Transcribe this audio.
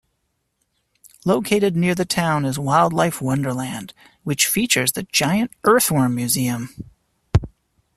Located near the town is "Wildlife Wonderland", which features the Giant Earthworm Museum.